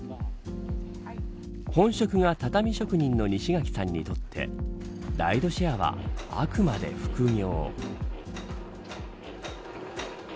本職が畳職人の西垣さんにとってライドシェアはあくまで副業。